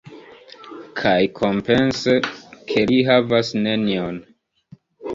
Kaj, kompense, ke li havas nenion.